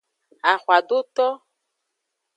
Axwadoto.